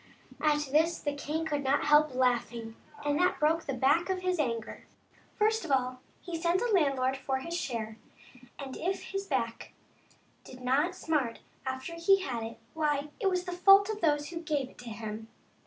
At this the king could not help laughing, and that broke the back of his anger. First of all he sent the landlord for his share, and if his back did not smart after he had it, why, it was not the fault of those who gave it to him.